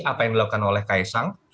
apa yang dilakukan oleh kaisang